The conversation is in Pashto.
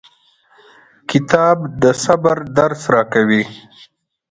کتاب د صبر درس راکوي.